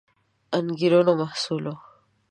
انګېرنو محصول وو